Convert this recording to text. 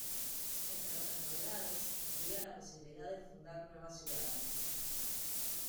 Entre otras novedades incluía la posibilidad de fundar nuevas ciudades.